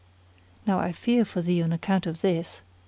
Now I fear for thee on account of this.